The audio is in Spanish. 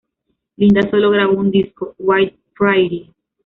Linda sólo grabó un disco: "Wide Prairie".